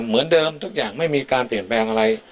เหมือนเดิมทุกอย่างไม่มีการเปลี่ยนแปลงอะไร